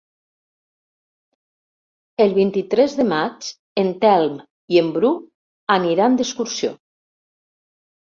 El vint-i-tres de maig en Telm i en Bru aniran d'excursió.